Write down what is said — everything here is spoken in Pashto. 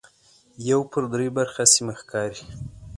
یو پر درې برخه سیمه ښکاري.